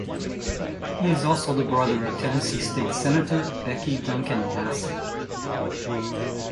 He is also the brother of Tennessee State Senator Becky Duncan Massey.